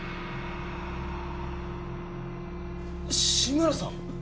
志村さん！？